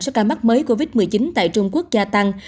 số ca mắc mới covid một mươi chín tại trung quốc gia tăng